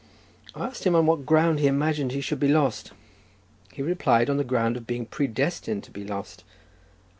I asked him on what ground he imagined he should be lost; he replied on the ground of being predestined to be lost.